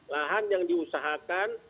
lahan yang diusahakan